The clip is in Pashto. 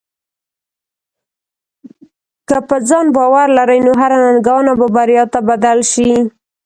که په ځان باور لرې، نو هره ننګونه به بریا ته بدل شې.